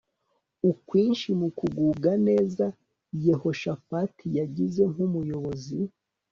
Ukwinshi mu kugubwa neza Yehoshafati yagize nkumuyobozi